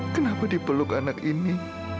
kenapa dipeluk anak ini